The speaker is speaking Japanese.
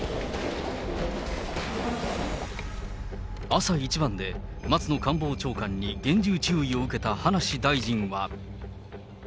朝一番で松野官房長官に厳重注意を受けた葉梨大臣は。